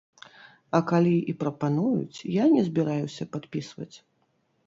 А калі і прапануюць, я не збіраюся падпісваць.